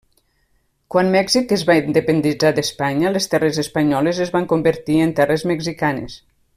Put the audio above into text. Quan Mèxic es va independitzar d'Espanya les terres espanyoles es van convertir en terres mexicanes.